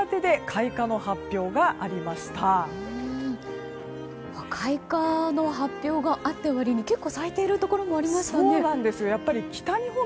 開花の発表があった割に結構咲いているところもありましたね。